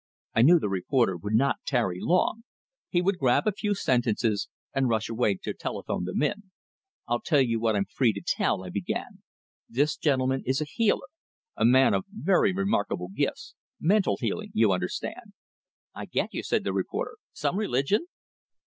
I knew the reporter would not tarry long; he would grab a few sentences, and rush away to telephone them in. "I'll tell you what I'm free to tell," I began. "This gentleman is a healer, a man of very remarkable gifts. Mental healing, you understand." "I get you," said the reporter. "Some religion?"